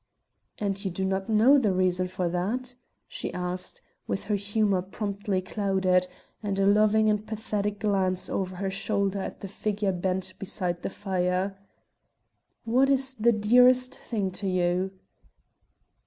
"And do you not know the reason for that?" she asked, with her humour promptly clouded, and a loving and pathetic glance over her shoulder at the figure bent beside the fire. "What is the dearest thing to you?"